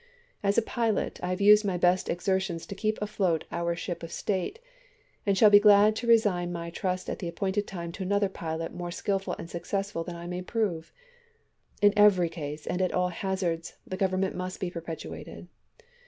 ... As a pilot, I have used my best exertions to keep afloat our Ship of State, and shall be glad to resign my trust at the appointed time to another pilot more skillful and successful than I may prove. In every case and at all hazards, the Government must be perpetuated.